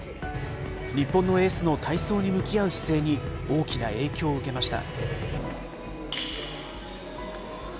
日本のエースの体操に向き合う姿勢に、大きな影響を受けました。